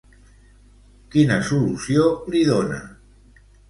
Quina solució li dona?